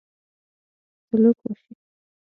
سلوک وشي.